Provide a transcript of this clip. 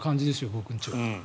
僕んちは。